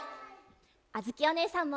あづきおねえさんも！